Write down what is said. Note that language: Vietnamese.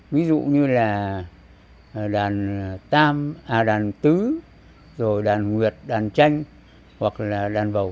ví dụ như là đàn tứ đàn nguyệt đàn chanh hoặc là đàn bầu